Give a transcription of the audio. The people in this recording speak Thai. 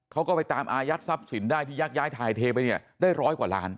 เขาก็ไปตามอายัดทรัพย์สินได้ที่ยักย้ายถ่ายเทไปเนี่ยได้ร้อยกว่าล้าน